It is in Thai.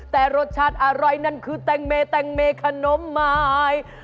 แต่รสชาติอร่อยนั่นคือแตงเมแตงเมขนมหมาย